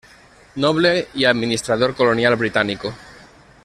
Noble y Administrador Colonial Británico.